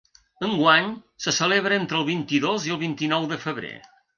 Enguany se celebra entre el vint-i-dos i el vint-i-nou de febrer.